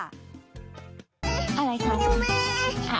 อะไรคะ